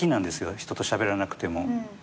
人としゃべらなくても。